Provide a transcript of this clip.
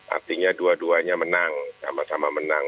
artinya dua duanya menang sama sama menang